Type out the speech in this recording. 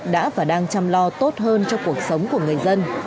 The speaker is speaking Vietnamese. đã và đang chăm lo tốt hơn cho cuộc sống của người dân